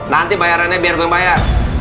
nanti bayarannya biar gue bayar